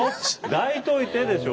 「抱いといて」でしょ！